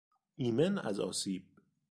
ایمن از آسیب